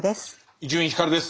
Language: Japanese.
伊集院光です。